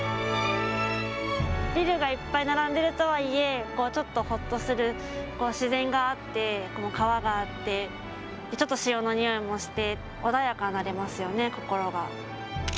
ビルがいっぱい並んでいるとはいえちょっとほっとする、自然があって川があってちょっと潮のにおいもして穏やかになりますよね、心が。